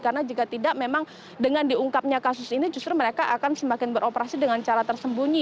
karena jika tidak memang dengan diungkapnya kasus ini justru mereka akan semakin beroperasi dengan cara tersembunyi